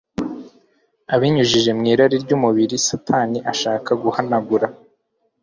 Abinyujije mw’irari ry’umubiri, Satani ashaka guhanagura